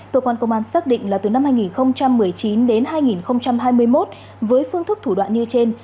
cơ quan công an xác định là từ năm hai nghìn một mươi chín đến hai nghìn hai mươi một với phương thức thủ đoạn như trên